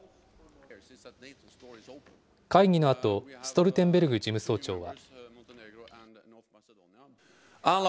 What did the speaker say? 会議のあと、ストルテンベルグ事務総長は。